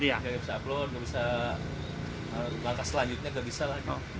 tidak bisa upload tidak bisa langkah selanjutnya tidak bisa lagi